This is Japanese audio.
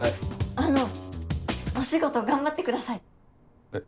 あのお仕事頑張ってください！え？